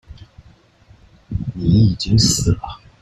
你已經死了